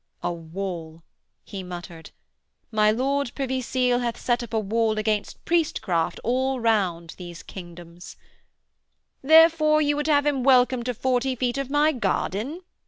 'A wall,' he muttered; 'my Lord Privy Seal hath set up a wall against priestcraft all round these kingdoms ' 'Therefore you would have him welcome to forty feet of my garden?'